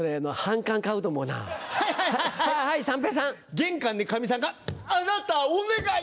玄関でかみさんが「あなたお願い！